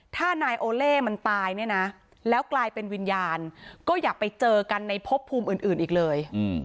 ถ้านายโอเล่มันตายเนี่ยนะแล้วกลายเป็นวิญญาณก็อย่าไปเจอกันในพบภูมิอื่นอีกเลย